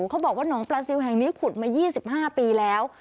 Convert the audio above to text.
เขาบอกว่าหนองปลาซิลแห่งนี้ขุดมา๒๕ปีแล้ว